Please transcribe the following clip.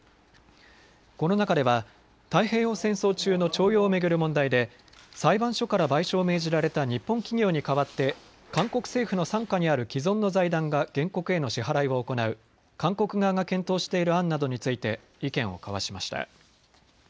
この中では太平洋戦争中の徴用を巡る問題で裁判所から賠償を命じられた日本企業に代わって韓国政府の傘下にある既存の財団が原告への支払いを行う韓国側が検討している案などについて意見を交わしました。